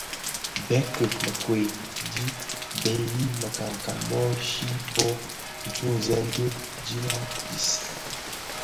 Betceu mekoai chi bé yii mikankan, bố chi bộ, ntuňzèn di dhim a dis,